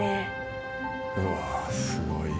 うわあすごい！